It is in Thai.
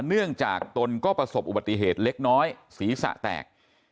เนื่องจากตนก็ประสบอุบัติเหตุเล็กน้อยศีรษะแตก